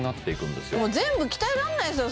でも全部鍛えらんないですよ